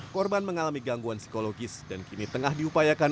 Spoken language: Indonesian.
korban mengalami gangguan psikologis dan kini tengah diupayakan